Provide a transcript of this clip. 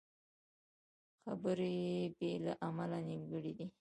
خبرې بې له عمله نیمګړې دي